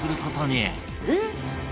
えっ？